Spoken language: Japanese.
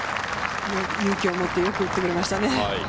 勇気を持って、よく打ってくれましたね。